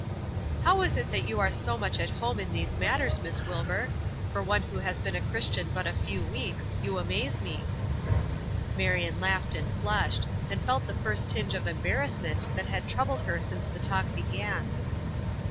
"How is it that you are so much at home in these matters, Miss Wilbur? For one who has been a Christian but a few weeks you amaze me." Marion laughed and flushed, and felt the first tinge of embarrassment that had troubled her since the talk began.